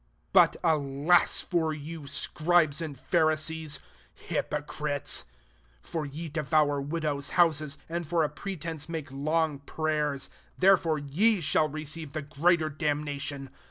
13 '^ But alas for you. Scribes and Pharisees, hypocrites ! [for 'fevour widovfa^ houaea^ and for refence^ make long firayera : •fore ye ahall receive the greater damnatiom.